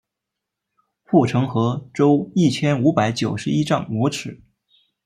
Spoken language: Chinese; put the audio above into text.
护城河周一千五百九十一丈五尺。